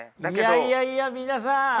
いやいやいや皆さん